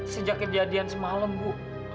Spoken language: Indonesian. sejak kejadian semalam bu